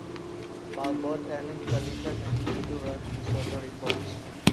Barbot and Coletta continue to run DeSoto Records.